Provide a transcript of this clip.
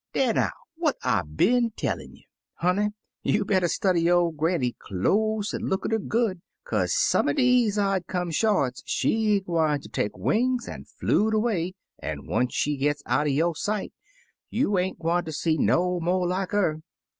"Dar, now! What I been tellin' you? Honey, you better study yo' granny close an' look at 'er good, kaze some er deze odd come shorts, she gwine ter take wings an' flew'd away; an' once she gits outer yo' sight, you ain't gwine ter see no mo' like 'er.